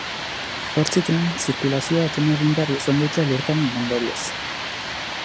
Zortzi trenen zirkulazioa eten egin behar izan dute elurtearen ondorioz.